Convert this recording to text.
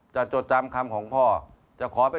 จะจดจำคำของพ่อ